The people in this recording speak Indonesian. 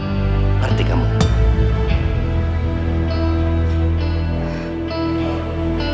ayo subsribe ya kalau cuma mau binatangin